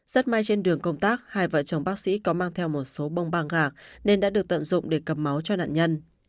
rất may trên đường công tác hai vợ chồng bác sĩ có mang theo một số bông băng gà nên đã được tận dụng để cầm máu cho nạn nhân